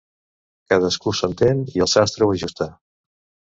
Cadascú s'entén i el sastre ho ajusta.